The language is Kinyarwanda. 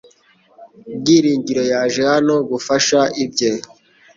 Byiringiro yaje hano gufasha ibye